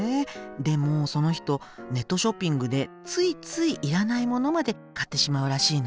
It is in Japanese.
でもその人ネットショッピングでついつい要らないものまで買ってしまうらしいのね。